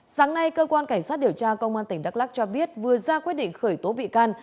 sáng nay cơ quan cảnh sát điều tra công an tỉnh đắk lắc cho biết vừa ra quyết định khởi tố bị can